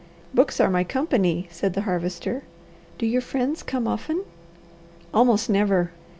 "Books are my company," said the Harvester. "Do your friends come often?" "Almost never!